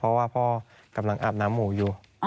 เพราะว่าพ่อกำลังอาบน้ำหมูอยู่